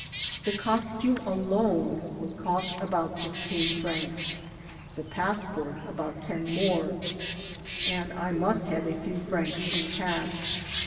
The costume alone would cost about fifteen francs, the passport about ten more, and I must have a few francs in cash.